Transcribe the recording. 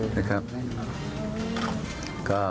ได้ครับ